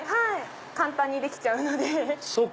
簡単にできちゃうので。